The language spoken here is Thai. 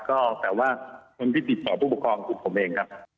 ก็แต่ว่าคนที่ติดต่อผู้ปกครองกลุ่มผมเองครับ